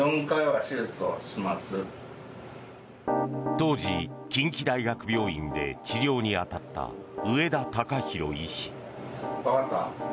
当時、近畿大学病院で治療に当たった上田敬博医師。